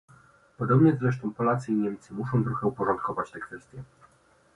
Podobnie zresztą Polacy i Niemcy muszą trochę uporządkować te kwestie